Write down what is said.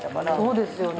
そうですよね。